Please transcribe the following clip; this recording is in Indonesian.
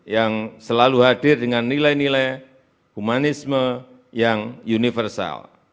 yang selalu hadir dengan nilai nilai humanisme yang universal